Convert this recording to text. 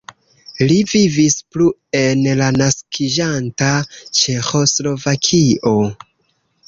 Li vivis plu en la naskiĝanta Ĉeĥoslovakio.